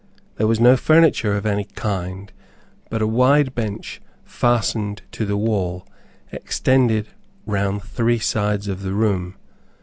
There was no furniture of any kind, but a wide bench, fastened to the wall, extended round three sides of the room.